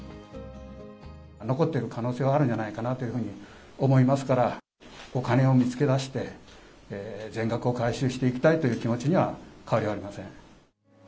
残っている可能性はあるんじゃないかなというふうに思いますから、お金を見つけ出して、全額を回収していきたいという気持ちには、変わりはありません。